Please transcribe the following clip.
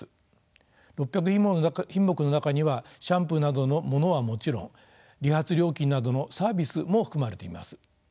６００品目の中にはシャンプーなどのものはもちろん理髪料金などのサービスも含まれています。